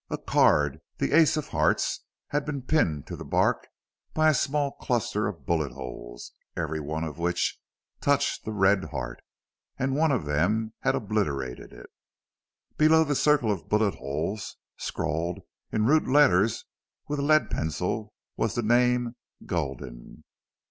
A card, the ace of hearts, had been pinned to the bark by a small cluster of bullet holes, every one of which touched the red heart, and one of them had obliterated it. Below the circle of bulletholes, scrawled in rude letters with a lead pencil, was the name "Gulden."